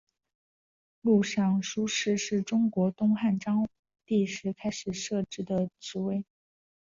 录尚书事是中国东汉章帝时开始设置的职位。